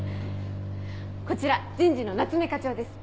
こちら人事の夏目課長です。